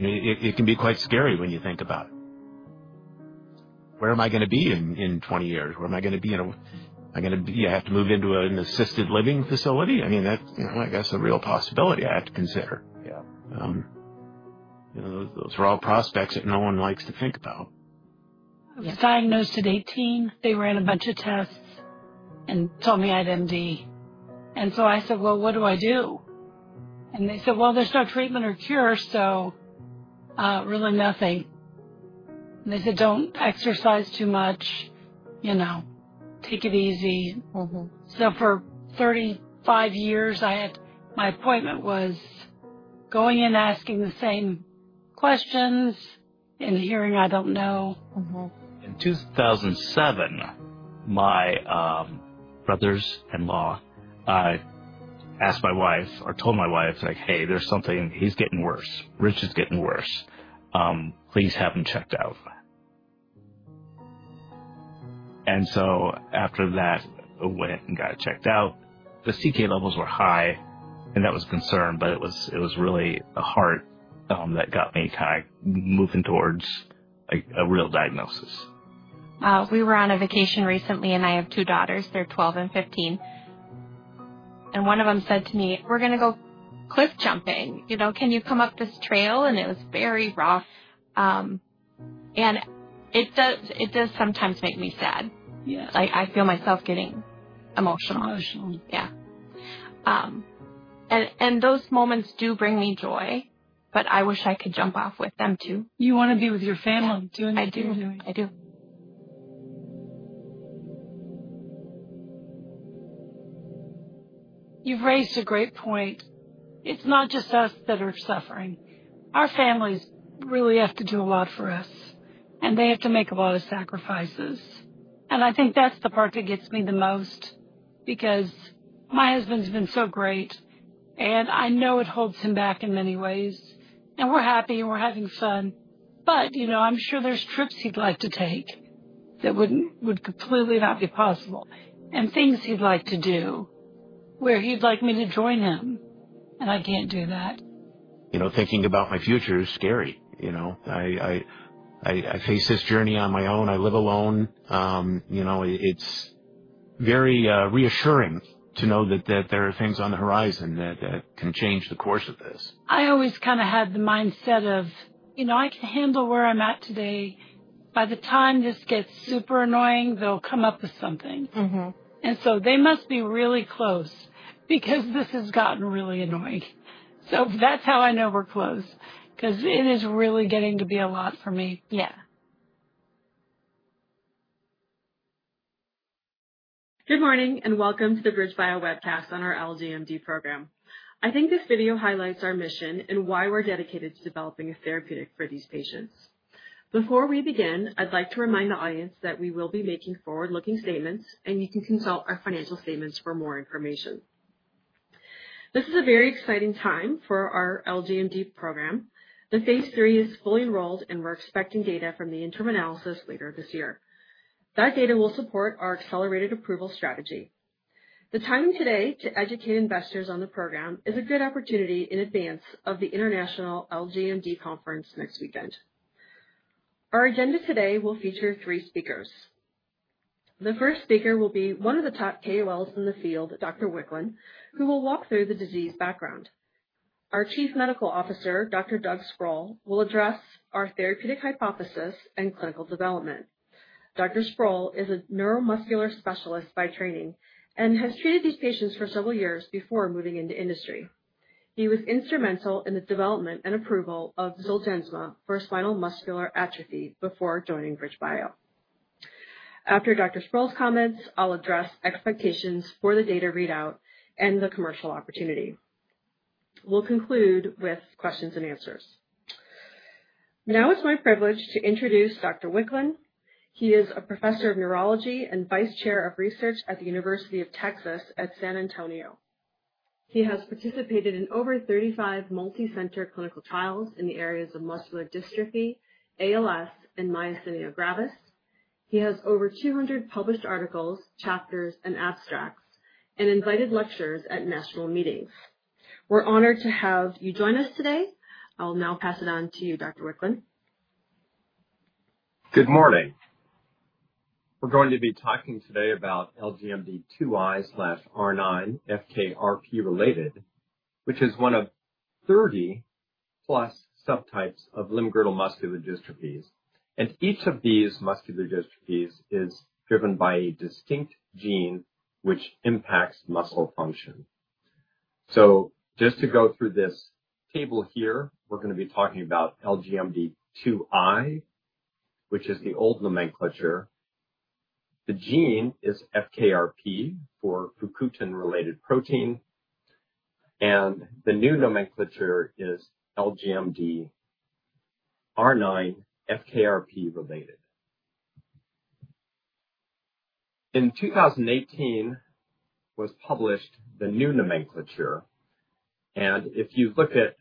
It can be quite scary when you think about it. Where am I going to be in 20 years? Where am I going to be? I have to move into an assisted living facility. I mean, that's, I guess, a real possibility I have to consider. Those are all prospects that no one likes to think about. I was diagnosed at 18. They ran a bunch of tests and told me I had MD, and I said, what do I do? They said there's no treatment or cure, so really nothing. They said, don't exercise too much, you know, take it easy. For 35 years I had my appointment, was going in, asking the same questions and hearing, I don't know. In 2007, my brothers-in-law, I asked my wife or told my wife, like, hey, there's something, he's getting worse, Rich is getting worse. Please have him checked out. After that, went and got checked out, the CK levels were high and that was a concern, but it was really a heart that got me kind of moving towards a real diagnosis. We were on a vacation recently and I have two daughters, they're 12 and 15. One of them said to me, we're going to go cliff jumping. You know, can you come up this trail? It was very rough and it does sometimes make me sad. I feel myself getting emotional. Emotional, yeah. Those moments do bring me joy, but I wish I could jump off with them too. You want to be with your family doing what you're doing? I do, I do. You've raised a great point. It's not just us that are suffering. Our families really have to do a lot for us and they have to make a lot of sacrifices. I think that's the part that gets me the most because my husband's been so great and I know it holds him back in many ways and we're happy and we're having fun. You know, I'm sure there's trips he'd like to take that would completely not be possible and things he'd like to do where he'd like me to join him. I can't do that. You know, thinking about my future is scary. I face this journey on my own. I live alone. You know, it's very reassuring to know that there are things on the horizon that can change the course of this. I always kind of had the mindset of, you know, I can handle where I'm at today. By the time this gets super annoying, they'll come up with something. They must be really close because this has gotten really annoying. That's how I know we're close because it is really getting to be a lot for me. Yea. Good morning and welcome to the BridgeBio Pharma webcast on our LGMD program. I think this video highlights our mission and why we're dedicated to developing a therapeutic for these patients. Before we begin, I'd like to remind the audience that we will be making forward-looking statements and you can consult our financial statements for more information. This is a very exciting time for our LGMD program. The Phase III is fully enrolled and we're expecting data from the interim analysis later this year. That data will support our accelerated approval strategy. The timing today to educate investors on the program is a good opportunity in advance of the International LGMD Conference next weekend. Our agenda today will feature three speakers. The first speaker will be one of the top KOLs in the field, Dr. Wicklund, who will walk through the disease background. Our Chief Medical Officer, Dr. Doug Sproule, will address our therapeutic hypothesis and clinical development. Dr. Sproule is a neuromuscular specialist by training and has treated these patients for several years before moving into industry. He was instrumental in the development and approval of Zolgensma for spinal muscular atrophy before joining BridgeBio. After Dr. Sproule's comments, I'll address expectations for the data readout and the commercial opportunity. We'll conclude with questions and answers. Now it's my privilege to introduce Dr. Wicklund. He is a Professor of Neurology and Vice Chair of Research at the University of Texas at San Antonio. He has participated in over 35 multicenter clinical trials in the areas of Muscular Dystrophy, ALS, and Myasthenia Gravis. He has over 200 published articles, chapters, and abstracts and invited lectures at national meetings. We're honored to have you join us today. I'll now pass it on to you, Dr. Wicklund. Good morning. We're going to be talking today about LGMD2I/R9 FKRP-related, which is one of 30 plus subtypes of limb-girdle muscular dystrophies. Each of these muscular dystrophies is driven by a distinct gene which impacts muscle function. Just to go through this table here, we're going to be talking about LGMD2I, which is the old nomenclature. The gene is FKRP for fukutin-related protein, and the new nomenclature is LGMDR9 FKRP-related. In 2018, the new nomenclature was published, and if you look at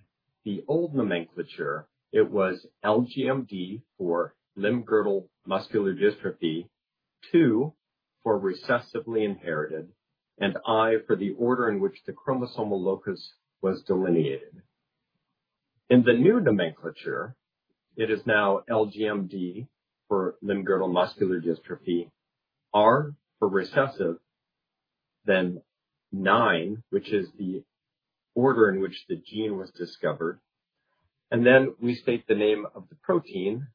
the old nomenclature, it was LGMD for limb-girdle muscular dystrophy 2 for recessively inherited, and I for the order in which the chromosomal locus was delineated. In the new nomenclature, it is now LGMD for limb-girdle muscular dystrophy, R for recessive, then 9, which is the order in which the gene was discovered. We state the name of the protein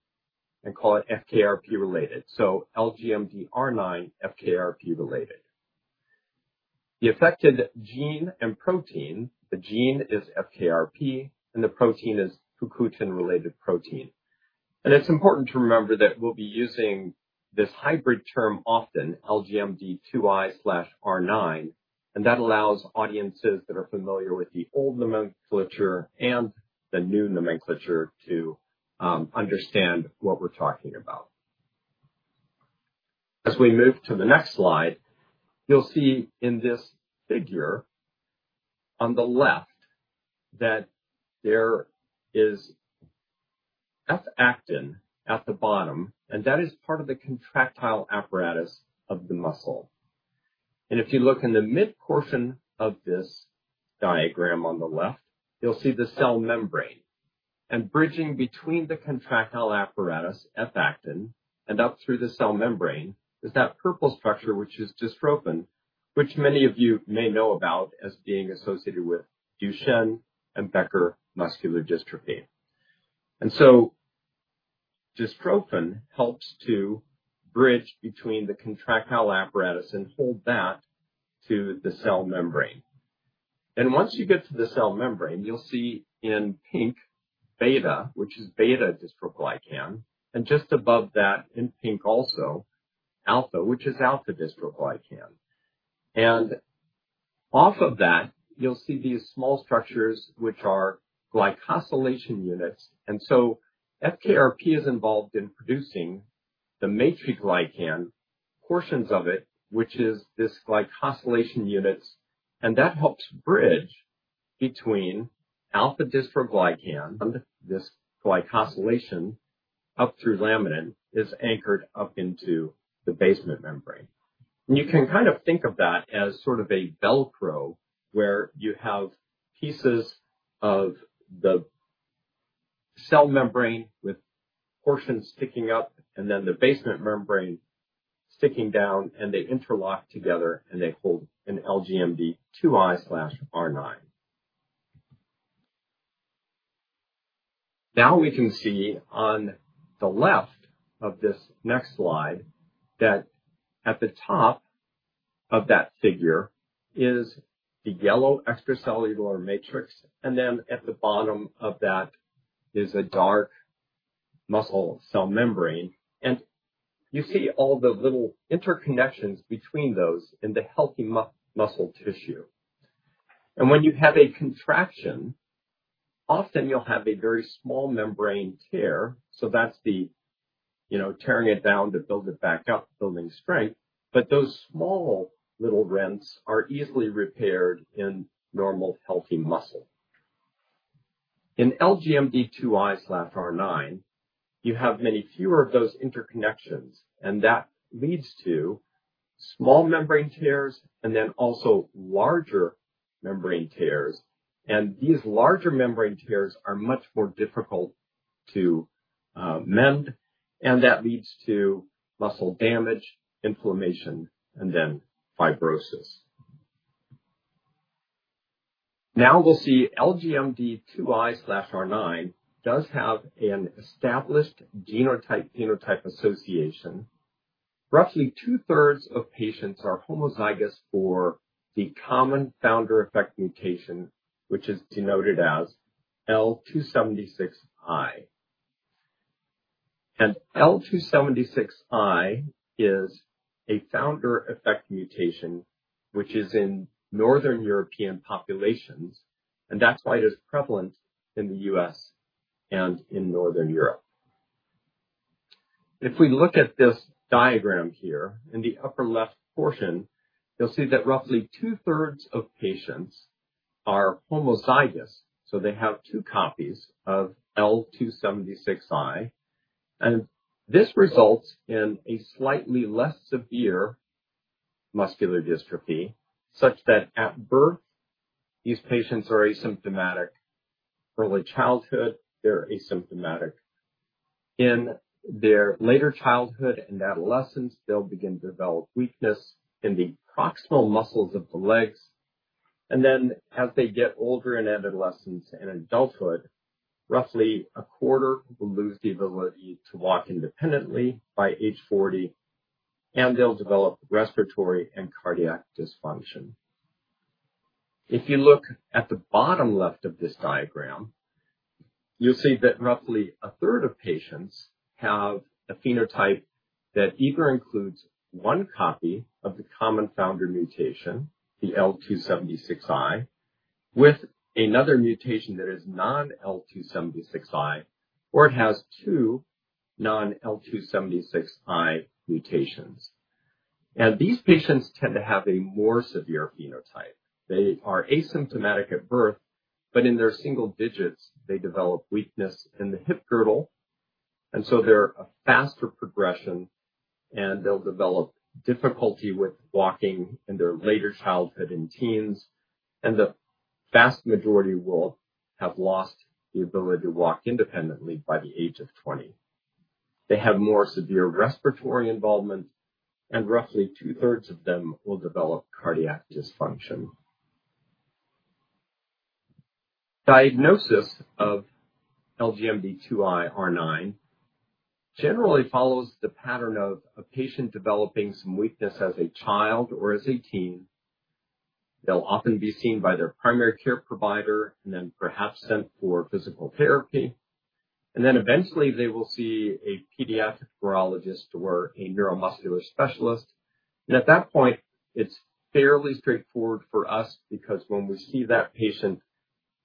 and call it FKRP-related. LGMDR9 FKRP-related is the affected gene and protein. The gene is FKRP, and the protein is fukutin-related protein. It's important to remember that we'll be using this hybrid term often, LGMD2I/R9. That allows audiences that are familiar with the old nomenclature and the new nomenclature to understand what we're talking about as we move to the next slide. You'll see in this figure on the left that there is F-actin at the bottom, and that is part of the contractile apparatus of the muscle. If you look in the mid-portion of this diagram on the left, you'll see the cell membrane. Bridging between the contractile apparatus, F-actin, and up through the cell membrane is that purple structure, which is dystrophin, which many of you may know about as being associated with Duchenne and Becker muscular dystrophy. Dystrophin helps to bridge between the contractile apparatus and hold that to the cell membrane. Once you get to the cell membrane, you'll see in pink, beta, which is Beta-Dystroglycan, and just above that in pink also alpha, which is Alpha-Dystroglycan. Off of that, you'll see these small structures which are Glycosylation units. FKRP is involved in producing the Matriglycan portions of it, which are these Glycosylation units. That helps bridge between Alpha-Dystroglycan, and this Glycosylation up through Laminin is anchored up into the Basement membrane. You can kind of think of that as sort of a Velcro where you have pieces of the cell membrane with portions sticking up and then the basement membrane sticking down and they interlock together and they hold in LGMD2I/R9. Now we can see on the left of this next slide that at the top of that figure is the yellow extracellular matrix. At the bottom of that is a dark muscle cell membrane. You see all the little interconnections between those in the healthy muscle tissue. When you have a contraction, often you'll have a very small membrane tear. That's the, you know, tearing it down to build it back up, building strength. Those small little rents are easily repaired in normal, healthy muscle. In LGMD2I/R9, you have many fewer of those interconnections, and that leads to small membrane tears and also larger membrane tears. These larger membrane tears are much more difficult to mend, and that leads to muscle damage, inflammation, and then fibrosis. Now we'll see LGMD2I/R9 does have an established genotype-phenotype association. Roughly 2/3 of patients are homozygous for the common founder effect mutation, which is denoted as L276I. L276I is a founder effect mutation, which is in northern European populations, and that's why it is prevalent in the U.S. and in northern Europe. If we look at this diagram here, in the upper left portion, you'll see that 2/3 of patients are homozygous. They have two copies of L276I. This results in a slightly less severe muscular dystrophy, such that at birth, these patients are asymptomatic. Early childhood, they're asymptomatic. In their later childhood and adolescence, they'll begin to develop weakness in the proximal muscles of the legs. As they get older, in adolescence and adulthood, roughly a 1/4 will lose the ability to walk independently by age 40, and they'll develop respiratory and cardiac dysfunction. If you look at the bottom left of this diagram, you'll see that roughly a 1/3 of patients have a phenotype that either includes one copy of the common founder mutation, the L276I with another mutation that is non-L276I, or it has two non-L276I mutations. These patients tend to have a more severe phenotype. They are asymptomatic at birth, but in their single-digits they develop weakness in the hip girdle, and so they're a faster progression. They'll develop difficulty with walking in their later childhood and teens. The vast majority will have lost the ability to walk independently. By the age of 20, they have more severe respiratory involvement, and roughly 2/3 of them will develop cardiac dysfunction. Diagnosis of LGMD2I/R9 generally follows the pattern of a patient developing some weakness as a child or as a teenager. They'll often be seen by their primary care provider and then perhaps sent for physical therapy. Eventually, they will see a pediatric neurologist or a neuromuscular specialist. At that point, it's fairly straightforward for us because when we see that patient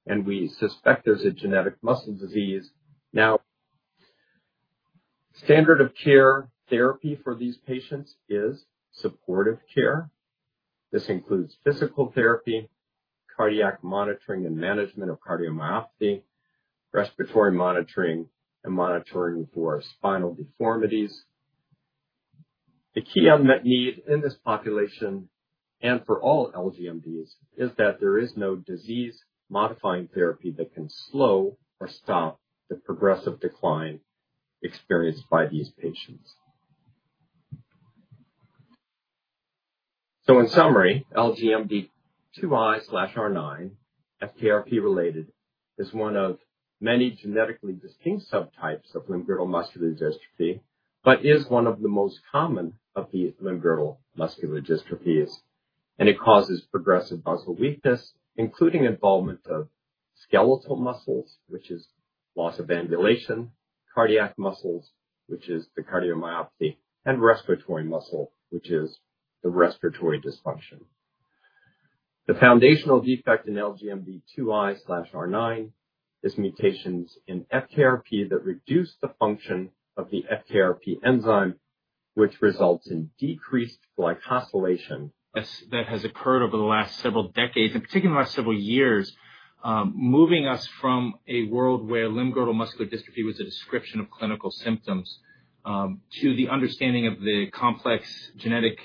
and we suspect there's a genetic muscle disease, now standard of care therapy for these patients is supportive care. This includes physical therapy, cardiac monitoring and management of cardiomyopathy, respiratory monitoring, and monitoring for spinal deformities. The key unmet need in this population and for all LGMDs is that there is no disease-modifying therapy that can slow or stop the progressive decline experienced by these patients. In summary, LGMD2I/R9 FKRP-related is one of many genetically distinct subtypes of limb-girdle muscular dystrophy but is one of the most common of the limb-girdle muscular dystrophies, and it causes progressive muscle weakness including involvement of skeletal muscles, which is loss of ambulation, cardiac muscles, which is the cardiomyopathy, and respiratory muscle, which is the respiratory dysfunction. The foundational defect in LGMD2I/R9 is mutations in FKRP that reduce the function of the FKRP enzyme, which results in decreased function like glycosylation that has occurred. Over the last several decades and particularly the last several years, moving us from a world where limb-girdle muscular dystrophy was a description of clinical symptoms to the understanding of the complex genetic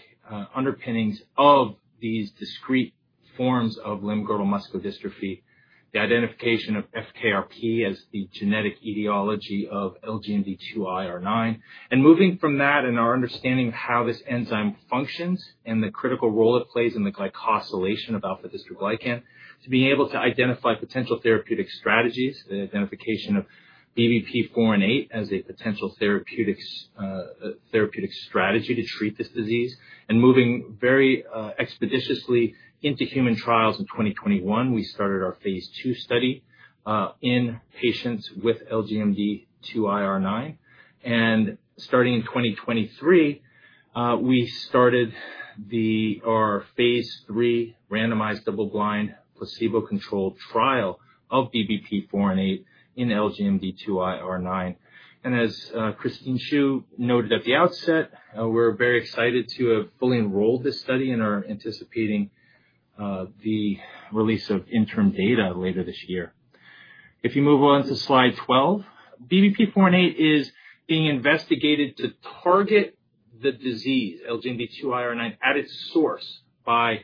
underpinnings of these discrete forms of limb-girdle muscular dystrophy, the identification of FKRP as the genetic etiology of LGMD2I/R9, and moving from that and our understanding of how this enzyme functions and the critical role it plays in the glycosylation of Alpha-Dystroglycan to be able to identify potential therapeutic strategies, the identification of BBP-418 as a potential therapeutic strategy to treat this disease and moving very expeditiously into human trials. In 2021, we started our phase 2 study in patients with LGMD2I/R9, and starting in 2023, we started our Phase III randomized double-blind placebo-controlled trial of BBP-418 in LGMD2I/R9, and as Christine Siu noted at the outset, we're very excited to have fully enrolled this study and are anticipating the release of interim data later this year. If you move on to Slide 12, BBP-418 is being investigated to target the disease LGMD2I/R9 at its source by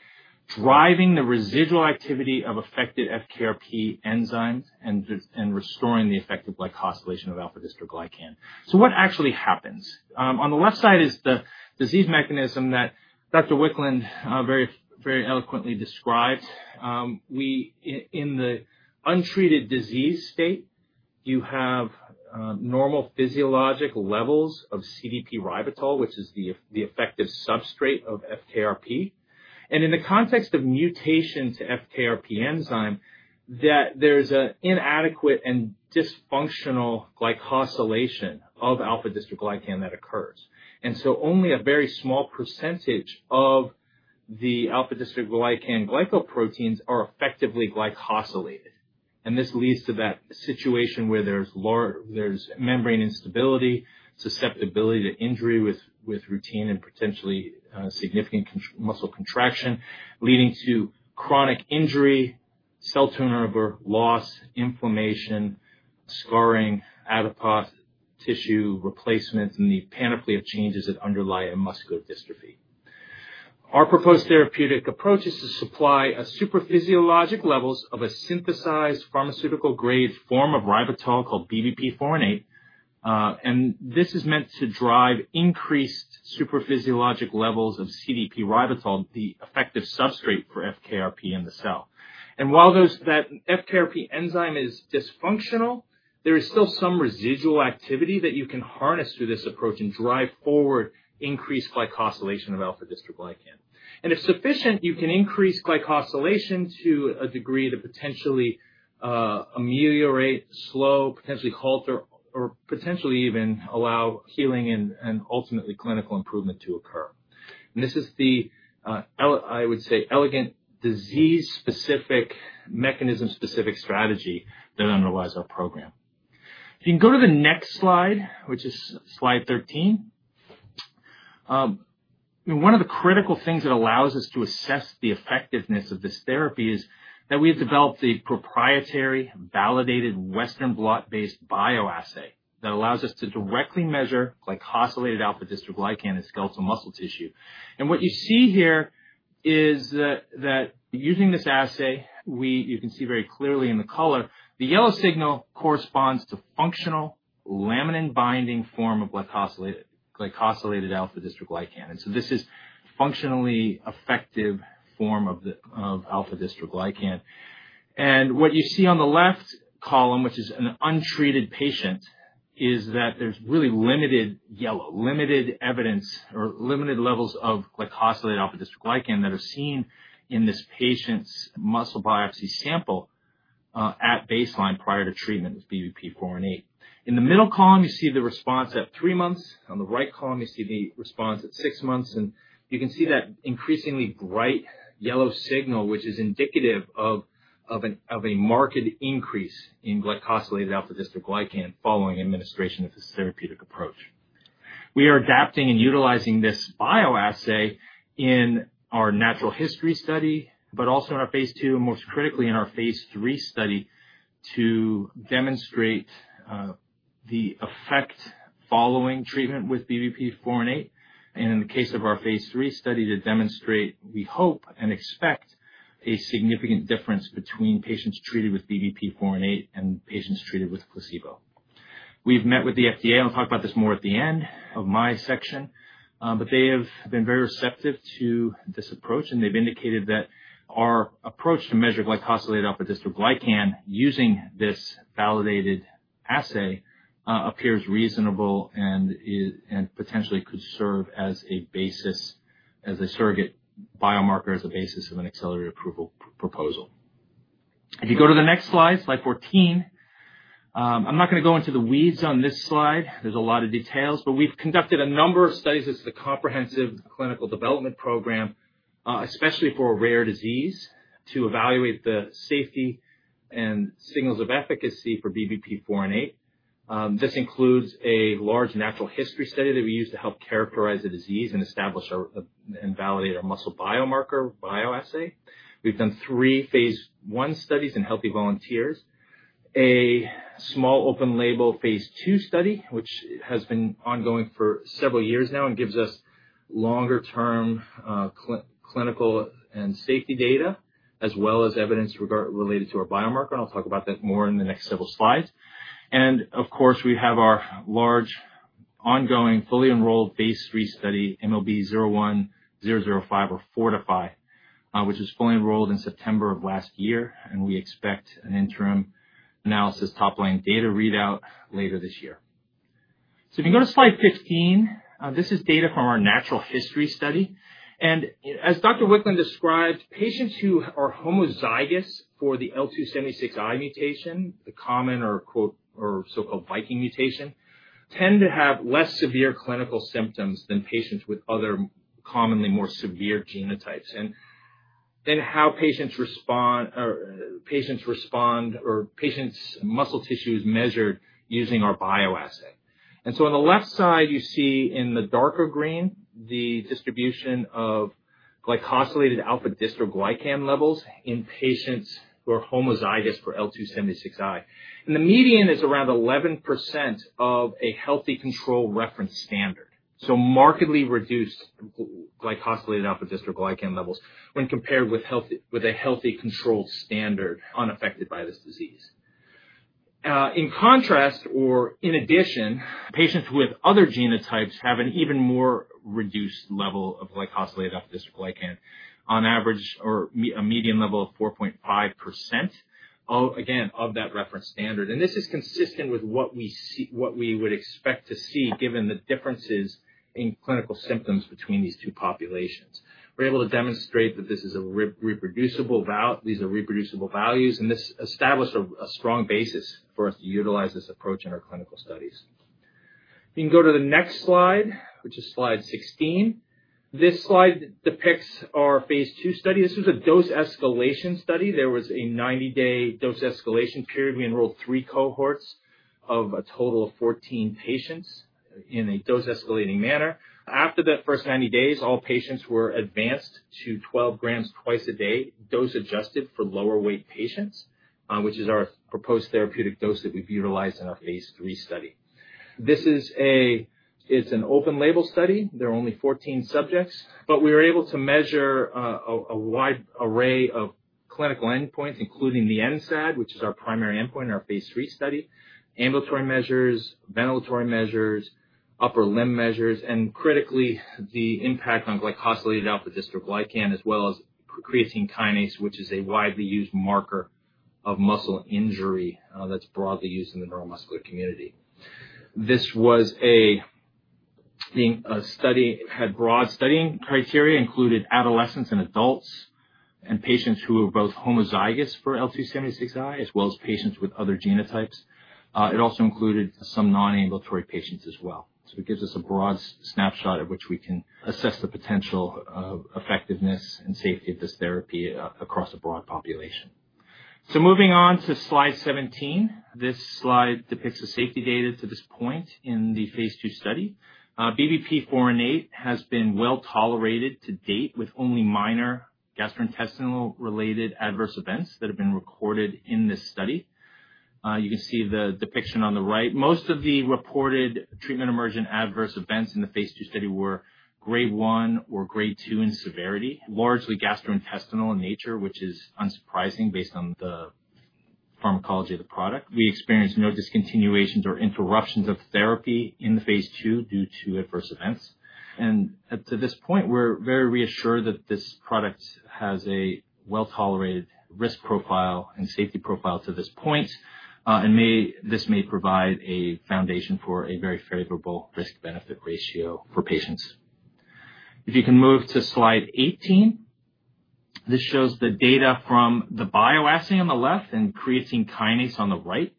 driving the residual activity of affected FKRP enzymes and restoring the effective glycosylation of Alpha-Dystroglycan. What actually happens on the left side is the disease mechanism that Dr. Wicklund very eloquently described. In the untreated disease state, you have normal physiologic levels of CDP-ribitol, which is the effective substrate of FKRP, and in the context of mutation to FKRP enzyme, there's an inadequate and dysfunctional glycosylation of Alpha-Dystroglycan that occurs. Only a very small percentage of the Alpha-dystroglycan glycoproteins are effectively glycosylated. This leads to that situation where there's membrane instability, susceptibility to injury with routine and potentially significant muscle contraction leading to chronic injury, cell turnover, loss, inflammation, scarring, adipose tissue replacement, and the panoply of changes that underlie a muscular dystrophy. Our proposed therapeutic approach is to supply supraphysiologic levels of a synthesized pharmaceutical grade form of ribitol called BBP-418. This is meant to drive increased supraphysiologic levels of CDP-ribitol, the effective substrate for FKRP in the cell. While that FKRP enzyme is dysfunctional, there is still some residual activity that you can harness through this approach and drive forward increased glycosylation of Alpha-dystroglycan. If sufficient, you can increase glycosylation to a degree to potentially ameliorate, slow, potentially halt, or potentially even allow healing and ultimately clinical improvement to occur. This is the, I would say, elegant disease-specific mechanism, specific strategy that underlies our program. If you can go to the next slide, which is Slide 13, one of the critical things that allows us to assess the effectiveness of this therapy is that we have developed a proprietary, validated, western blot-based bioassay that allows us to directly measure glycosylated Alpha-dystroglycan in skeletal muscle tissue. What you see here is that using this assay, you can see very clearly in the color that the yellow signal corresponds to functional laminin-binding form of glycosylated Alpha-dystroglycan. This is functionally effective form of Alpha-dystroglycan. What you see on the left column, which is an untreated patient, is that there's really limited yellow, limited evidence or limited levels of glycosylated Alpha-dystroglycan that are seen in this patient's muscle biopsy sample at baseline prior to treatment with BBP-418. In the middle column you see the response at three months. On the right column you see the response at six months and you can see that increasingly bright yellow signal which is indicative of a marked increase in glycosylated Apha-dystroglycan following administration of this therapeutic approach. We are adapting and utilizing this bioassay in our natural history study, but also in our Phase II and most critically in our Phase III study to demonstrate the effect following treatment with BBP-418 and in the case of our Phase III study to demonstrate we hope and expect a significant difference between patients treated with BBP-418 and patients treated with placebo. We've met with the FDA. I'll talk about this more at the end of my section, but they have been very receptive to this approach and they've indicated that our approach to measure glycosylated Alpha-dystroglycan using this validated assay appears reasonable and potentially could serve as a basis as a surrogate biomarker as a basis of an accelerated approval proposal. If you go to the next slide, Slide 14, I'm not going to go into the weeds on this slide. There's a lot of details, but we've conducted a number of studies as the common comprehensive clinical development program, especially for a rare disease, to evaluate the safety and signals of efficacy for BBP-418. This includes a large natural history study that we use to help characterize the disease and establish and validate our muscle biomarker bioassay. We've done three phase one studies in healthy volunteers, a small open-label Phase II study which has been ongoing for several years now and gives us longer-term clinical and safety data as well as evidence related to our biomarker. I'll talk about that more in the next several slides. Of course, we have our large ongoing fully enrolled Phase III study, MLB-0105 or FORTIFY, which was fully enrolled in September of last year and we expect an interim analysis, top-line data readout later this year. If you go to Slide 15, this is data from our natural history study, and as Dr. Wicklund described, patients who are homozygous for the L276I mutation, the common or so-called Viking mutation, tend to have less severe clinical symptoms than patients with other commonly more severe genotypes. How patients respond or patients' muscle tissue is measured using our bioassay. On the left side, you see in the darker green the distribution of glycosylated Alpha-dystroglycan levels in patients who are homozygous for L276I, and the median is around 11% of a healthy control reference standard. There are markedly reduced glycosylated Alpha-dystroglycan levels when compared with a healthy control standard unaffected by this disease. In contrast, or in addition, patients with other genotypes have an even more reduced level of glycosylated Alpha-dystroglycan on average, or a median level of 4.5% again of that reference standard. This is consistent with what we would expect to see given the differences in clinical symptoms between these two populations. We're able to demonstrate that these are reproducible values, and this established a strong basis for us to utilize this approach in our clinical studies. You can go to the next slide, which is Slide 16. This slide depicts our Phase II study. This was a dose escalation study. There was a 90-day dose escalation period. We enrolled three cohorts of a total of 14 patients in a dose escalating manner. After that first 90 days, all patients were advanced to 12 grams twice a day, dose adjusted for lower weight patients, which is our proposed therapeutic dose that we've utilized in our Phase III study. This is an open-label study. There are only 14 subjects, but we were able to measure a wide array of clinical endpoints including the NSAD, which is our primary endpoint in our Phase III study, ambulatory measures, ventilatory measures, upper limb measures, and critically, the impact on glycosylated Alpha-dystroglycan as well as creatine kinase, which is a widely used marker of muscle injury that's broadly used in the neuromuscular community. This was a study with broad study criteria, included adolescents and adults, and patients who were both homozygous for L276I as well as patients with other genotypes. It also included some non-ambulatory patients as well. It gives us a broad snapshot at which we can assess the potential effectiveness and safety of this therapy across a broad population. Moving on to Slide 17. This slide depicts the safety data to this point in the Phase II study. BBP-418 has been well tolerated to date with only minor gastrointestinal-related adverse events that have been recorded in this study. You can see the depiction on the right. Most of the reported treatment-emergent adverse events in the Phase II study were Grade One or Grade Two in severity, largely gastrointestinal in nature, which is unsurprising based on the pharmacology of the product. We experienced no discontinuations or interruptions of therapy in the Phase II due to adverse events. To this point, we're very reassured that this product has a well-tolerated risk profile and safety profile to this point. This may provide a foundation for a very favorable risk-benefit ratio for patients. If you can move to Slide 18. This shows the data from the bioassay on the left and creatine kinase on the right.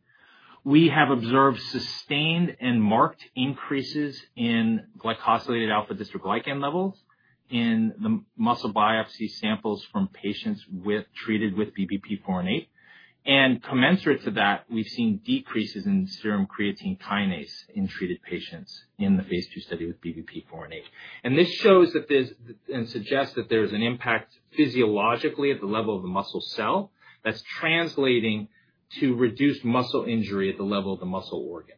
We have observed sustained and marked increases in glycosylated Alpha-dystroglycan levels in the muscle biopsy samples from patients treated with BBP-418. Commensurate to that, we've seen decreases in serum creatine kinase in treated patients in the Phase II study with BBP-418. This shows that there's and suggests that there's an impact physiologically at the level of the muscle cell that's translating to reduced muscle injury at the level of the muscle organ.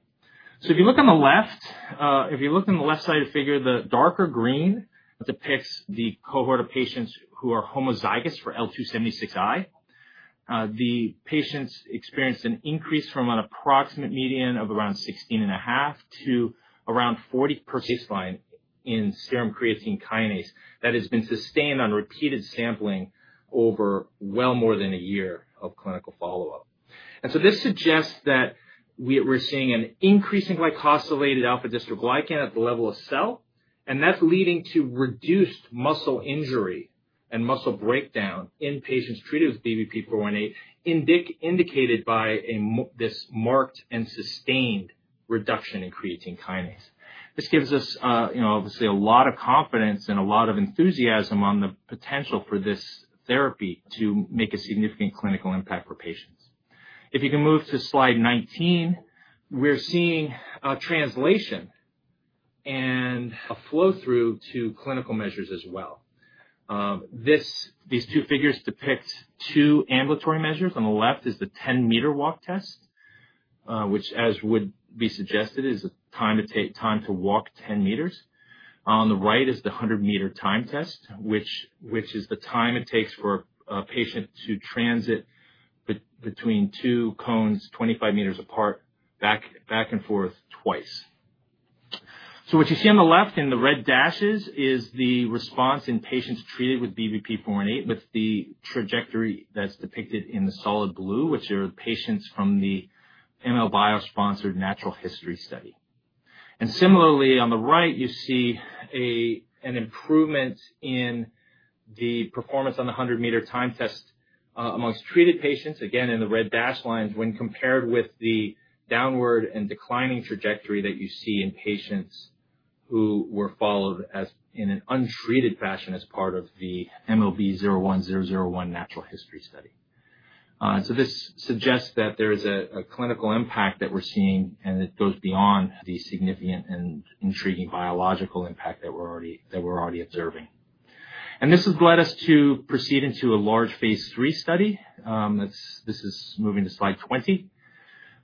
If you look on the left, if you look on the left side figure, the darker green depicts the cohort of patients who are homozygous for L276I. The patients experienced an increase from an approximate median of around 16.5% to around 40% baseline in serum creatine kinase that has been sustained on repeated sampling over well more than a year of clinical follow-up. This suggests that we're seeing an increase in glycosylated Alpha-dystroglycan at the level of cell and that's leading to reduced muscle injury and muscle breakdown in patients treated with BBP-418, indicated by this marked and sustained reduction in creatine kinase. This gives us, you know, obviously a lot of confidence and a lot of enthusiasm on the potential for this therapy to make a significant clinical impact for patients. If you can move to Slide 19, we're seeing a translation and a flow through to clinical measures as well. These two figures depict two ambulatory measures. On the left is the 10 meter walk test, which as would be suggested, is a time to take time to walk 10 meters. On the right is the 100 meter time test, which is the time it takes for a patient to transit between two cones 25 meters apart, back and forth twice. What you see on the left in the red dashes is the response in patients treated with BBP-418 with the trajectory that's depicted in the solid blue, which are patients from the MLBIO sponsored natural history study. Similarly, on the right you see an improvement in the performance on the 100 meter time test amongst treated patients again in the red dashed lines when compared with the downward and declining trajectory that you see in patients who were followed as in an untreated fashion as part of the MLB 01001 natural history study. This suggests that there is a clinical impact that we're seeing and it goes beyond the significant and intriguing biological impact that we're already observing. This has led us to proceed into a large Phase III study. This is moving to Slide 20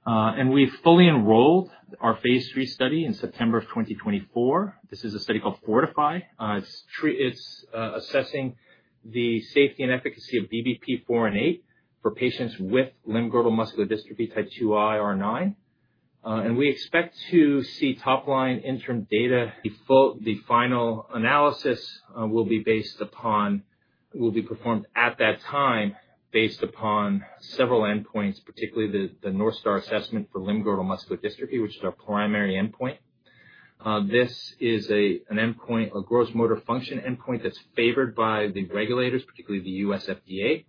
and we fully enrolled our Phase III study in September of 2024. This is a study called FORTIFY. It's assessing the safety and efficacy of BBP-418 for patients with limb-girdle muscular dystrophy type 2I/R9. We expect to see top line interim data. The final analysis will be performed at that time based upon several endpoints, particularly the North Star Assessment for limb-girdle muscular dystrophy, which is our primary endpoint. This is an endpoint, a gross motor function endpoint, that's favored by the regulators particularly the U.S. FDA.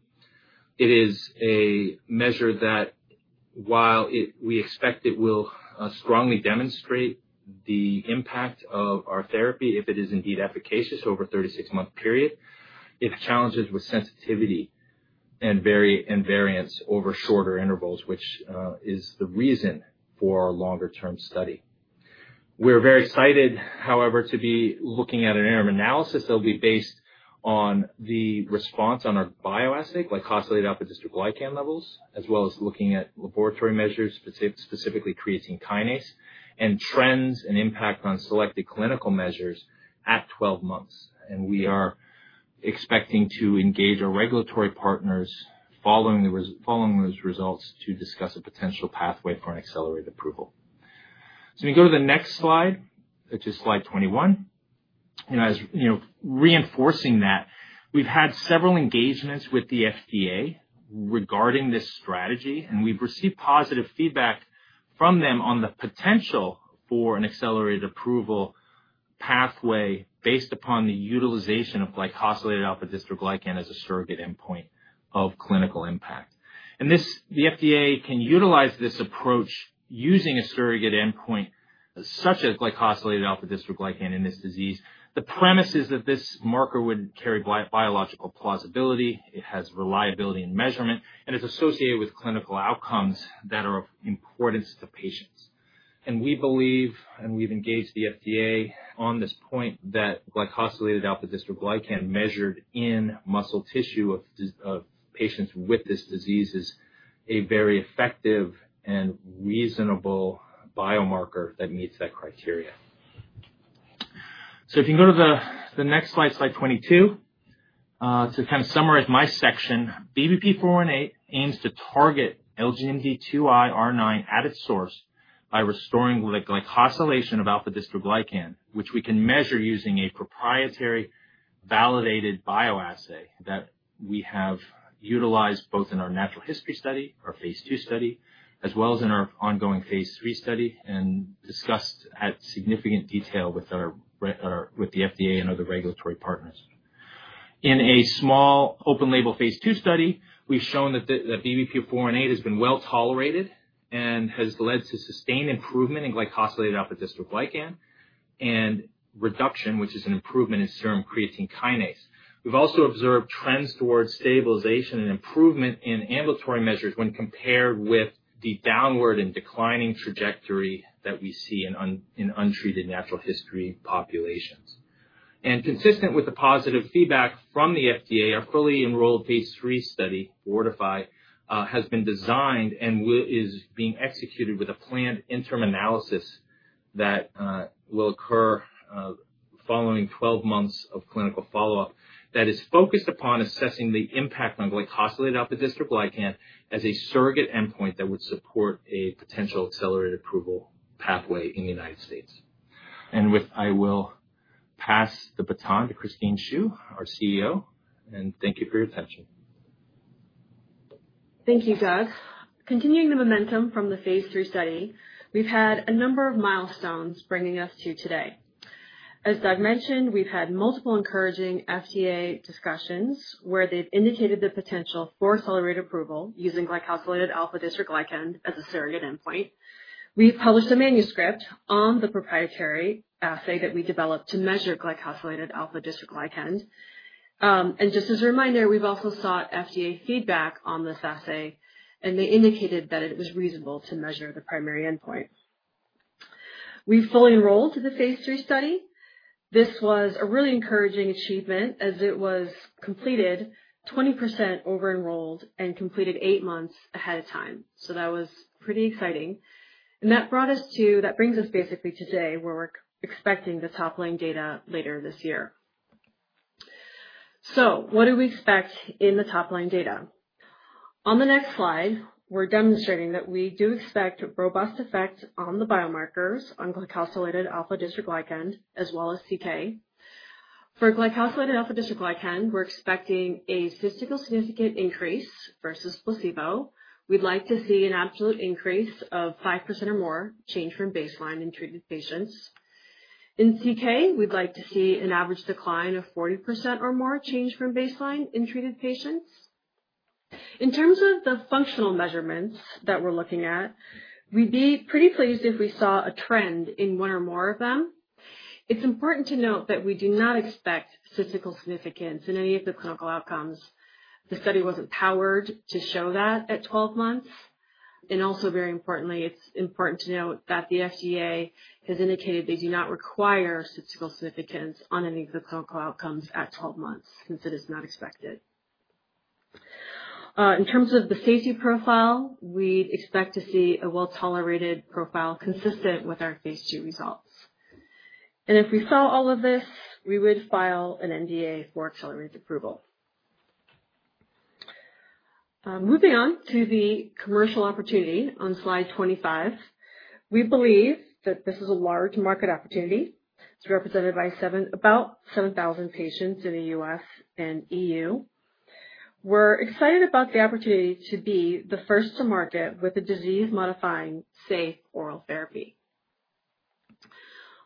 It is a measure that while we expect it will strongly demonstrate the impact of our therapy if it is indeed efficacious over a 36-month period, it has challenges with sensitivity and variance over shorter intervals, which is the reason for our longer-term study. We're very excited, however, to be looking at an interim analysis that will be based on the response on our bioassay glycosylated Alpha-dystroglycan levels as well as looking at laboratory measures, specifically creatine kinase and trends and impact on selected clinical measures at 12 months. We are expecting to engage our regulatory partners following those results to discuss a potential pathway for an accelerated approval. We go to the next slide, which is Slide 21, reinforcing that we've had several engagements with the FDA regarding this strategy and we've received positive feedback from them on the potential for an accelerated approval pathway based upon the utilization of glycosylated Alpha-dystroglycan as a surrogate endpoint of clinical impact. The FDA can utilize this approach using a surrogate endpoint such as glycosylated Alpha-dystroglycan in this disease. The premise is that this marker would carry biological plausibility, it has reliability in measurement and is associated with clinical outcomes that are of importance to patients. We believe, and we've engaged the FDA on this point, that glycosylated Alpha-dystroglycan measured in muscle tissue of patients with this disease is a very effective and reasonable biomarker that meets that criteria. If you go to the next slide, Slide 22, to kind of summarize my section, BBP-418 aims to target LGMD2I/R9 at its source by restoring glycosylation of Alpha-dystroglycan, which we can measure using a proprietary validated bioassay that we have utilized both in our natural history study, our Phase II study as well. As in our ongoing Phase III study and discussed at significant detail with the FDA and other regulatory partners, in a small open-label Phase II study, we've shown that BBP-418 has been well tolerated and has led to sustained improvement in glycosylated Alpha-dystroglycan and reduction, which is an improvement in serum creatine kinase. We've also observed trends towards stabilization and improvement in ambulatory measures when compared with the downward and declining trajectory that we see in untreated natural history populations. Consistent with the positive feedback from the FDA, our fully enrolled Phase III study FORTIFY has been designed and is being executed with a planned interim analysis that will occur following 12 months of clinical follow-up that is focused upon assessing the impact on glycosylated Alpha-dystroglycan as a surrogate endpoint that would support a potential accelerated approval pathway in the U.S. With that, I will pass the baton to Christine Siu, our CEO, and thank you for your attention. Thank you, Doug. Continuing the momentum from the Phase III study, we've had a number of milestones bringing us to today. As Doug mentioned, we've had multiple encouraging FDA discussions where they've indicated the potential for accelerated approval using glycosylated Alpha-dystroglycan as a surrogate endpoint. We published a manuscript on the proprietary assay that we developed to measure glycosylated Alpha-dystroglycan, and just as a reminder, we've also sought FDA feedback on this assay, and they indicated that it was reasonable to measure the primary endpoint. We fully enrolled the Phase III study. This was a really encouraging achievement as it was completed 20% over-enrolled and completed eight months ahead of time. That was pretty exciting, and that brings us basically to today where we're expecting the top-line data later this year. What do we expect in the top-line data on the next slide? We're demonstrating that we do expect robust effects on the biomarkers on glycosylated Alpha-dystroglycan as well as CK. For glycosylated Alpha-dystroglycan, we're expecting a statistically significant increase versus placebo. We'd like to see an absolute increase of five percent or more change from baseline in treated patients. In CK, we'd like to see an average decline of 40% or more change from baseline in treated patients. In terms of the functional measurements that we're looking at, we'd be pretty pleased if we saw a trend in one or more of them. It's important to note that we do not expect statistical significance in any of the clinical outcomes. The study wasn't powered to show that at 12 months. Also, very importantly, it's important to note that the FDA has indicated they do not require statistical significance on any of the clinical outcomes at 12 months since it is not expected. In terms of the safety profile, we expect to see a well-tolerated profile consistent with our Phase II results. If we saw all of this, we would file an NDA for accelerated approval. Moving on to the commercial opportunity on Slide 25, we believe that this is a large market opportunity. It's represented by about 7,000 patients in the U.S. and EU. We're excited about the opportunity to be the first to market with a disease-modifying, safe, oral therapy.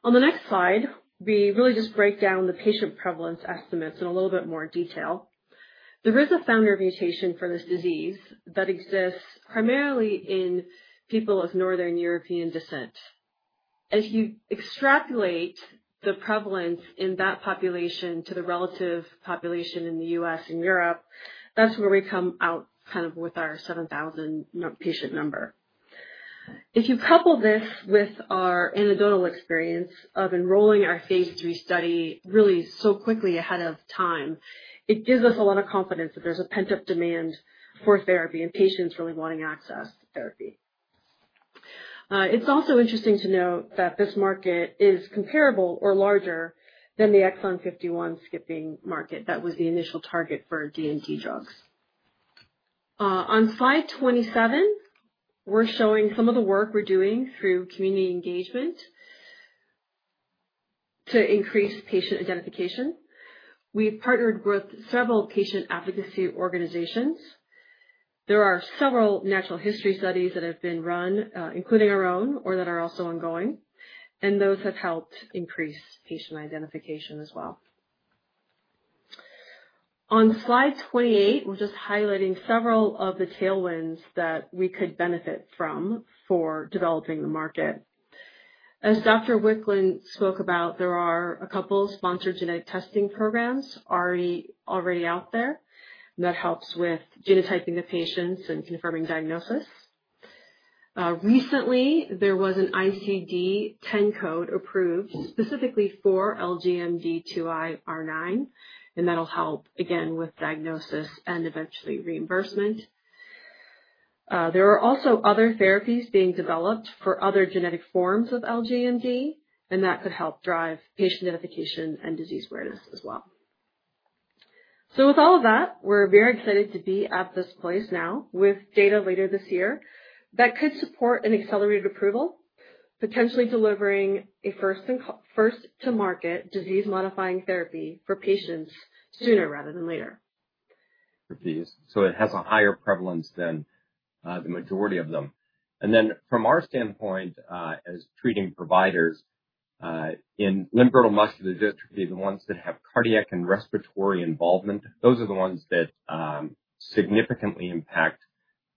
On the next slide, we really just break down the patient prevalence estimates in a little bit more detail. There is a founder mutation for this disease that exists primarily in people of Northern European descent. If you extrapolate the prevalence in that population to the relative population in the U.S. and Europe, that's where we come out kind of with our 7,000 patient number. If you couple this with our anecdotal experience of enrolling our Phase III study really so quickly ahead of time, it gives us a lot of confidence that there's a pent up demand for therapy and patients really wanting access to therapy. It's also interesting to note that this market is comparable or larger than the Exon 51 skipping market that was the initial target for DMT drugs. On Slide 27, we're showing some of the work we're doing through community engagement to increase patient identification. We partnered with several patient advocacy organizations. There are several natural history studies that have been run, including our own or that are also ongoing, and those have helped increase patient identification as well. On Slide 28, we're just highlighting several of the tailwinds that we could benefit from for developing the market. As Dr. Wicklund spoke about, there are a couple sponsored genetic testing programs already out there that helps with genotyping the patients and confirming diagnosis. Recently, there was an ICD-10 code approved specifically for LGMD2I/R9 and that'll help again with diagnosis and eventually reimbursement. There are also other therapies being developed for other genetic forms of LGMD and that could help drive patient identification and disease awareness as well. With all of that, we're very excited to be at this place now with data later this year that could support an accelerated approval, potentially delivering a first to market disease-modifying therapy for patients sooner rather than later. It has a higher prevalence than the majority of them. From our standpoint, as treating providers in limb-girdle muscular dystrophy, the ones that have cardiac and respiratory involvement are the ones that significantly impact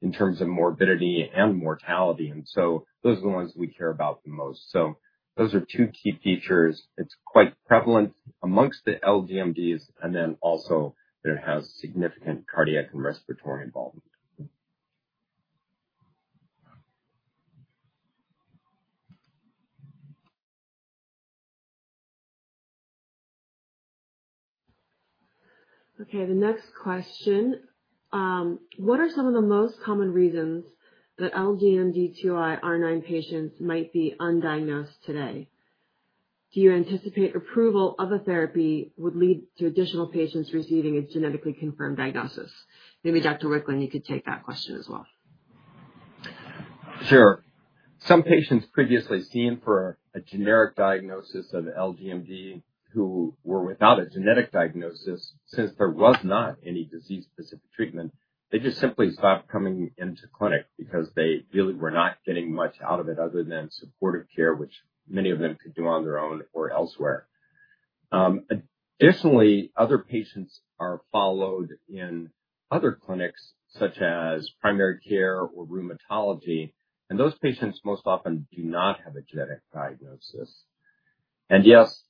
in terms of morbidity and mortality. Those are the ones we care about the most. Those are two key features. It's quite prevalent amongst the LGMDs, and it has significant cardiac and respiratory involvement. Okay, the next question. What are some of the most common reasons that LGMD2I/R9 patients might be undiagnosed today? Do you anticipate approval of a therapy would lead to additional patients receiving a genetically confirmed diagnosis? Maybe Dr. Wicklund, you could take that question as well. Sure. Some patients previously seen for a generic diagnosis of LGMD who were without a genetic diagnosis since there was not any disease-specific treatment simply stopped coming into clinic because they really were not getting much out of it other than supportive care, which many of them could do on their own or elsewhere. Additionally, other patients are followed in other clinics such as primary care or rheumatology, and those patients most often do not have a genetic diagnosis. Yes,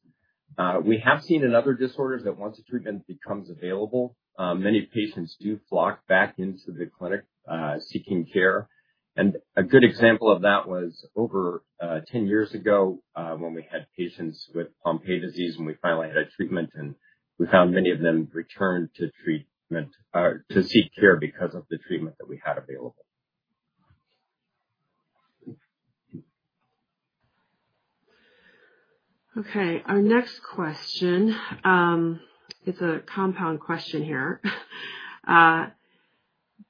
we have seen in other disorders that once a treatment becomes available, many patients do flock back into the clinic seeking care. A good example of that was over 10 years ago when we had patients with Pompe disease and we finally had a treatment and we found many of them returned to treatment to seek care because of the treatment that we had available. Okay, our next question, it's a compound question here.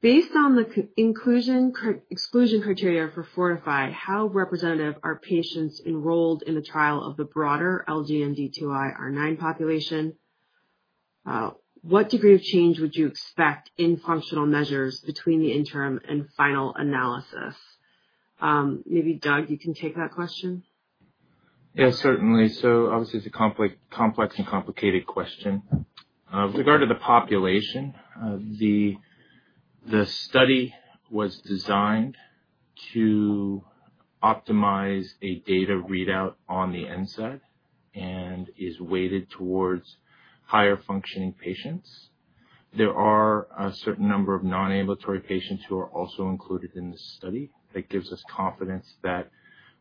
Based on the exclusion criteria for FORTIFY, how representative are patients enrolled in the trial of the broader LGMD2I/R9 population? What degree of change would you expect in functional measures between the interim and final analysis? Maybe, Doug, you can take that question. Yes, certainly. Obviously, it's a complex and complicated question with regard to the population. The study was designed to optimize a data readout on the NSAD and is weighted towards higher functioning patients. There are a certain number of non-ambulatory patients who are also included in the study. That gives us confidence that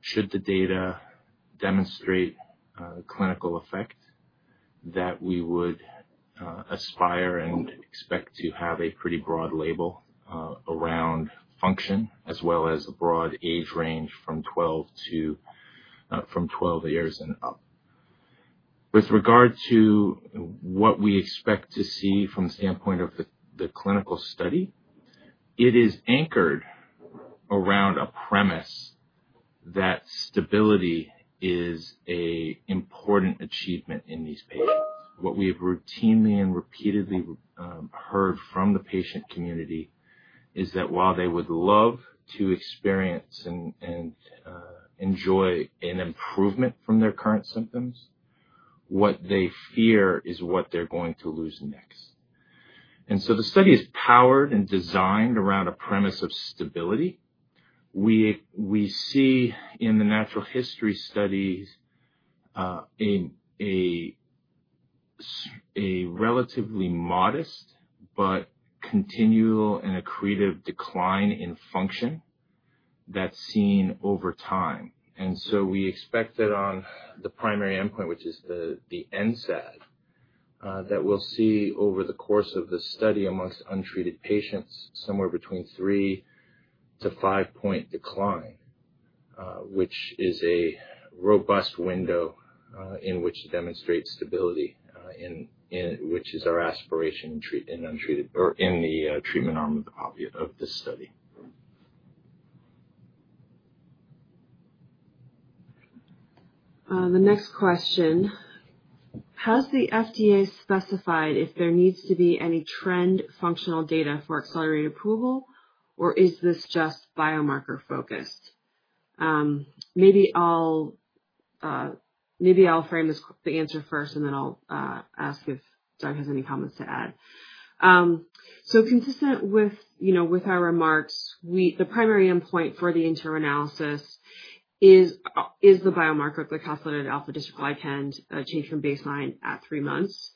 should the data demonstrate clinical effect, we would aspire and expect to have a pretty broad label around function as well as a broad age range from 12 years and up. With regard to what we expect to see from the standpoint of the clinical study, it is anchored around a premise that stability is an important achievement in these patients. What we have routinely and repeatedly heard from the patient community is that while they would love to experience and enjoy an improvement from their current symptoms, what they fear is what they're going to lose next. The study is powered and designed around a premise of stability. We see in the natural history studies a relatively modest but continual and accretive decline in function that's seen over time. We expect that on the primary endpoint, which is the NSAD, we'll see over the course of the study amongst untreated patients somewhere between a three to five point decline, which is a robust window in which to demonstrate stability, which is our aspiration in the treatment arm of this study. The next question, how's the FDA specified if there needs to be any trend functional data for accelerated approval or is this just biomarker focused? Maybe I'll frame the answer first and then I'll ask if Doug has any comments to add. Consistent with our remarks, the primary endpoint for the interim analysis is the biomarker of the glycosylated Alpha-dystroglycan change from baseline at three months.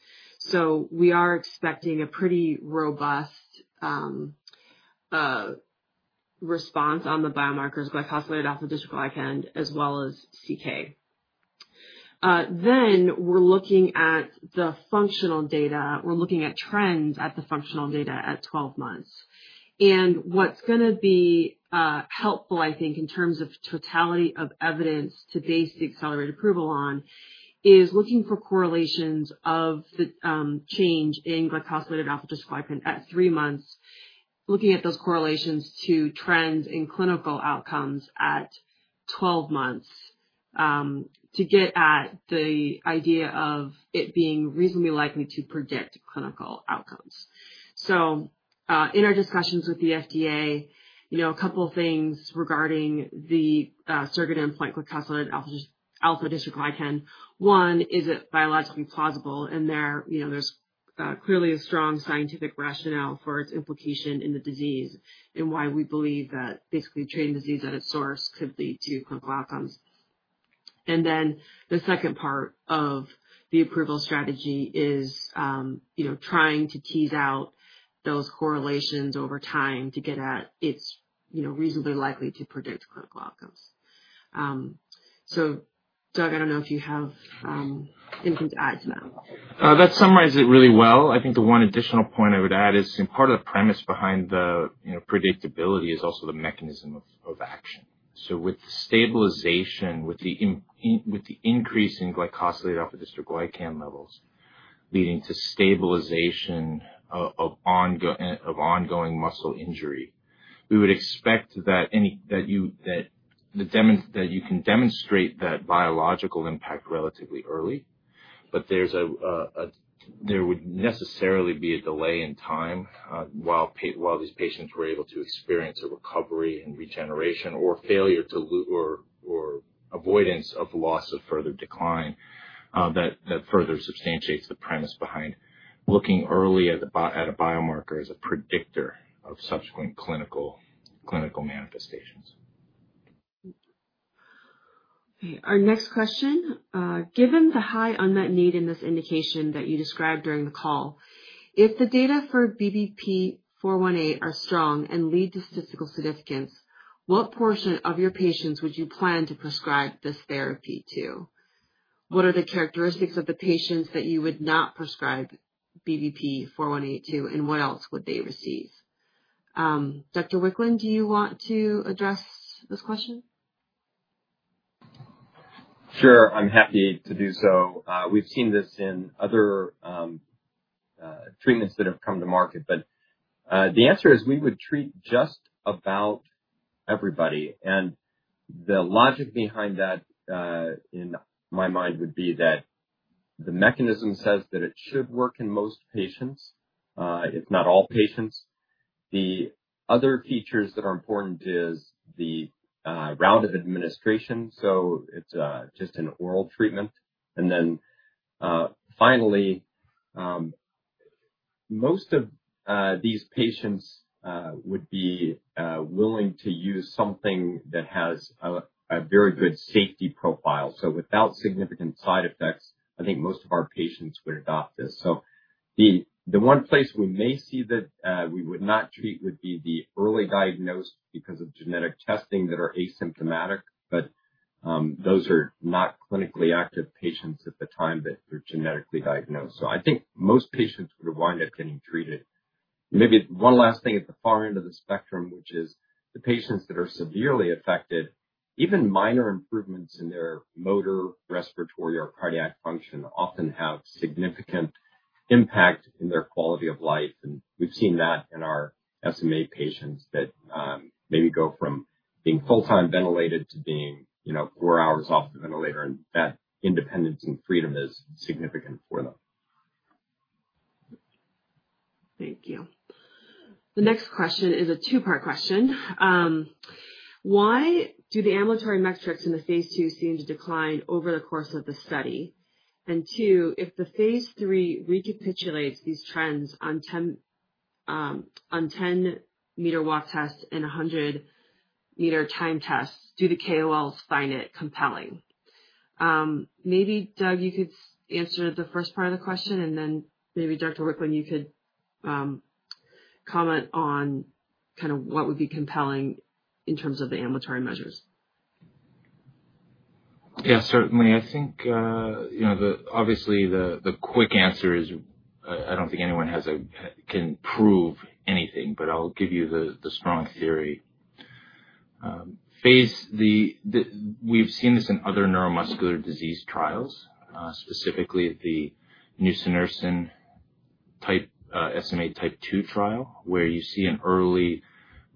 We are expecting a pretty robust response on the biomarkers glycosylated Alpha-dystroglycan as well as creatine kinase. We're looking at the functional data, we're looking at trends at the functional data at 12 months. What's going to be helpful, I think, in terms of totality of evidence to base the accelerated approval on, is looking for correlations of the change in glycosylated Alpha-dystroglycan at three months, looking at those correlations to trends in clinical outcomes at 12 months to get at the idea of it being reasonably likely to predict clinical outcomes. In our discussions with the FDA, a couple things regarding the surrogate biomarker glycosylated Alpha-dystroglycan: one, is it biologically plausible? There, there's clearly a strong scientific rationale for its implication in the disease and why we believe that basically treating disease at its source could lead to clinical outcomes. The second part of the approval strategy is trying to tease out those correlations over time to get at it's reasonably likely to predict clinical outcomes. Doug, I don't know if you have anything to add to that. Summarizes it really well. I think the one additional point I would add that is part of the premise behind the predictability is also the mechanism of action. With the stabilization, with the increase in glycosylated Alpha-dystroglycan levels leading to stabilization of ongoing muscle injury, we would expect that you can demonstrate that biological impact relatively early. There would necessarily be a delay in time while these patients were able to experience a recovery and regeneration or failure or avoidance of loss of further decline. That further substantiates the premise behind looking early at a biomarker as a predictor of subsequent clinical manifestations. Our next question, given the high unmet need in this indication that you described during the call, if the data for BBP-418 are strong and lead to statistical significance, what portion of your patients would you plan to prescribe this therapy to? What are the characteristics of the patients that you would not prescribe BBP-418 and what else would they receive? Dr. Wicklund, do you want to address this question? Sure, I'm happy to do so. We've seen this in other treatments that have come to market, but the answer is we would treat just about everybody. The logic behind that in my mind would be that the mechanism says that it should work in most patients, if not all patients. The other features that are important are the route of administration, so it's just an oral treatment. Finally, most of these patients would be willing to use something that has a very good safety profile. Without significant side effects, I think most of our patients would adopt this. The one place we may see that we would not treat would be the early diagnosed because of genetic testing that are asymptomatic, but those are not clinically active patients at the time that they're genetically diagnosed. I think most patients would wind up getting treated. Maybe one last thing at the far end of the spectrum, which is the patients that are severely affected, even minor improvements in their motor, respiratory, or cardiac function often have significant impact in their quality of life. We've seen that in our SMA patients that maybe go from being full-time ventilated to being four hours off the ventilator, and that independence and freedom is significant for them. Thank you. The next question is a two part question. Why do the ambulatory metrics in the Phase II seem to decline over the course of the study? Two, if the Phase III recapitulates these trends on 10 meter walk tests and 100 meter time tests, do the KOLs find it compelling? Maybe Doug, you could answer the first part of the question and then maybe Dr. Wicklund, you could comment on kind of what would be compelling in terms of the ambulatory measures. Yeah, certainly. I think, you know, obviously the quick answer is I don't think anyone can prove anything. I'll give you the strong theory phase. We've seen this in other neuromuscular disease trials, specifically the Nusinersen type SMA type 2 trial, where you see an early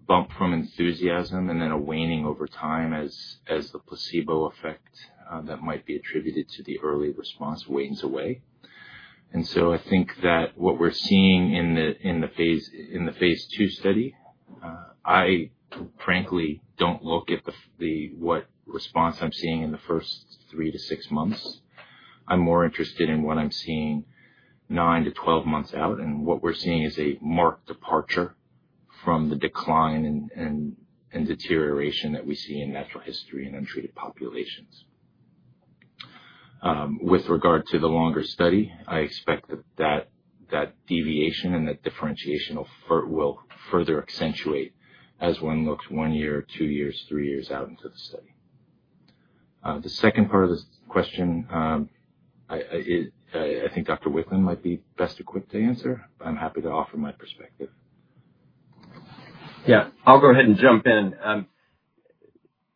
bump from enthusiasm and then a waning over time as the placebo effect that might be attributed to the early response wanes away. I think that what we're seeing in the Phase 2 study, I frankly don't look at what response I'm seeing in the first three to six months. I'm more interested in what I'm seeing nine to twelve months out. What we're seeing is a marked departure from the decline and deterioration that we see in natural history and untreated populations. With regard to the longer study, I expect that deviation and that differentiation will further accentuate as one looks one year, two years, three years out to the study. The second part of this question. I think Dr. Wicklund might be best equipped to answer. I'm happy to offer my perspective. Yeah, I'll go ahead and jump in.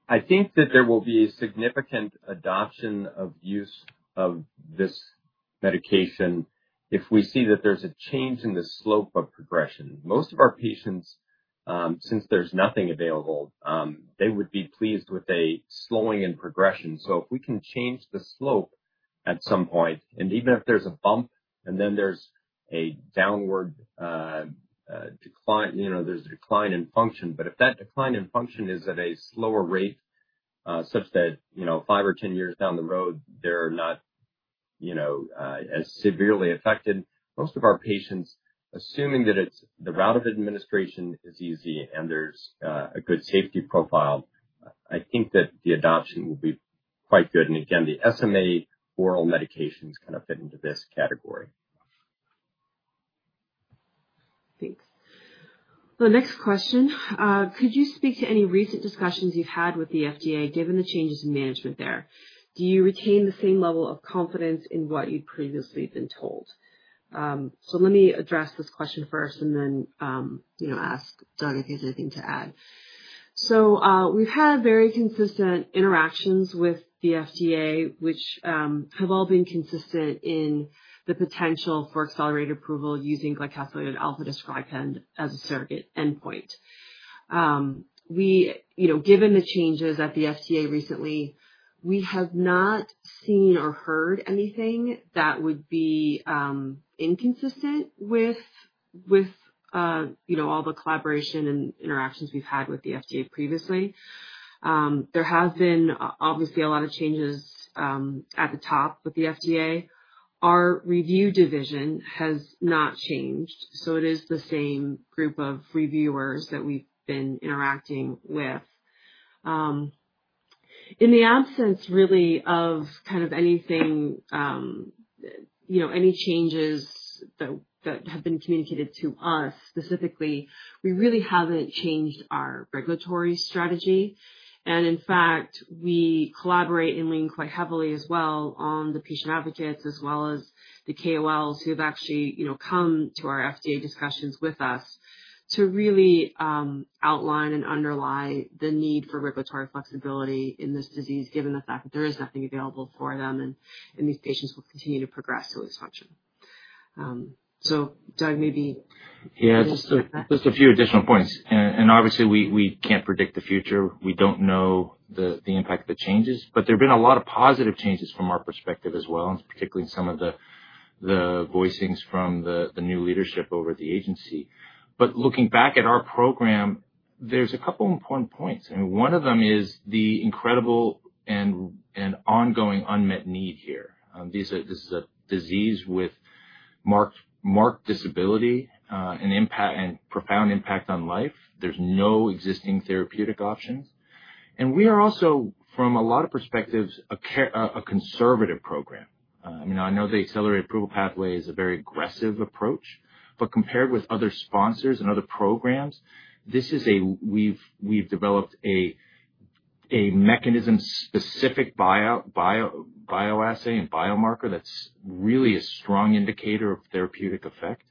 I think that there will be a significant adoption of use of this medication if we see that there's a change in the slope of progression. Most of our patients, since there's nothing available, would be pleased with a slowing in progression. If we can change the slope at some point and even if there's a bump and then there's a downward decline, there's a decline in function. If that decline in function is at a slower rate such that, you know, five or 10 years down the road, they're not as severely affected, most of our patients, assuming that the route of administration is easy and there's a good safety profile, I think that the adoption will be quite good. The SMA oral medications kind of fit into this category. Thanks. The next question, could you speak to any recent discussions you've had with the FDA given the changes in management? There, do you retain the same level of confidence in what you'd previously been told? Let me address this question first and then ask Doug if he has anything to add. We've had very consistent interactions with the FDA, which have all been consistent in the potential for accelerated approval using glycosylated Alpha-dystroglycan described as a surrogate endpoint. Given the changes at the FDA recently, we have not seen or heard anything that would be inconsistent with all the collaboration and interactions we've had with the FDA previously. There have been obviously a lot of changes at the top with the FDA. Our review division has not changed. It is the same group of reviewers that we've been interacting with. In the absence really of anything, any changes that have been communicated to us specifically, we really haven't changed our regulatory strategy. In fact, we collaborate and lean quite heavily as well on the patient advocates as well as the KOLs who have actually come to our FDA discussions with us to really outline and underlie the need for regulatory flexibility in this disease, given the fact that there is nothing available for them and these patients will continue to progress to dysfunction. Doug, maybe just a few additional points. Obviously, we can't predict the future. We don't know the impact of the changes, but there have been a lot of positive changes from our perspective as well, particularly in some of the voicings from the new leadership over at the agency. Looking back at our program, there's a couple important points. One of them is the incredible and ongoing unmet need here. This is a disease with marked disability and profound impact on life. There's no existing therapeutic options. We are also, from a lot of perspectives, a conservative program. I know the accelerated approval pathway is a very aggressive approach, but compared with other sponsors and other programs, this is a—we've developed a mechanism-specific bioassay and biomarker that's really a strong indicator of therapeutic effect.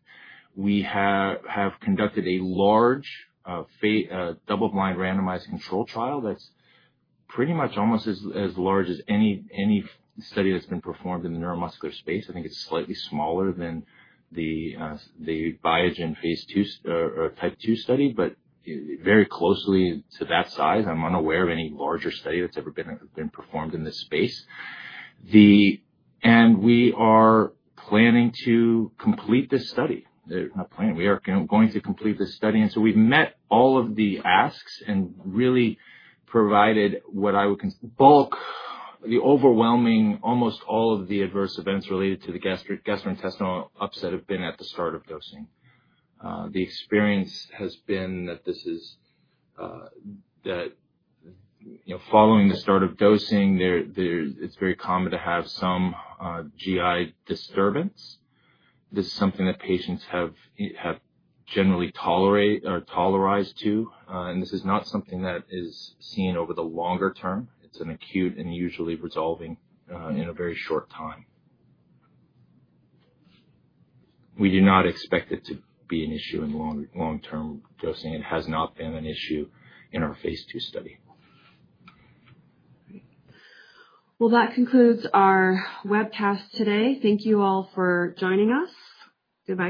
We have conducted a large double-blind randomized control trial that's pretty much almost as large as any study that's been performed in the neuromuscular space. I think it's slightly smaller than the Biogen Phase II type 2 study, but very closely to that size. I'm unaware of any larger study that's ever been performed in this space. We are planning to complete this study—not planning, we are going to complete this study. We've met all of the asks and really provided what I would consider bulk, the overwhelming, almost all of the adverse events related to the gastrointestinal upset have been at the start of dosing. The experience has been that following the start of dosing, it's very common to have some GI disturbance. This is something that patients have generally tolerated or tolerate to. This is not something that is seen over the longer term. It's an acute and usually resolving in a very short time. We do not expect it to be an issue in long-term dosing. It has not been an issue in our Phase 2 study. That concludes our webcast today. Thank you all for joining us.